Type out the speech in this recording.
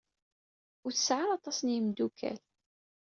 Ur tesɛi ara aṭas n yimeddukal.